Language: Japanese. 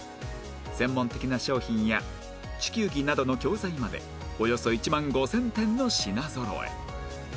専門的な商品や地球儀などの教材までおよそ１万５０００点の品ぞろえ